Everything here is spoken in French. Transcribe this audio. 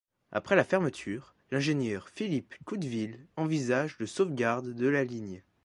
Après la fermeture, l'ingénieur Philippe Coudeville envisage le sauvegarde de la ligne.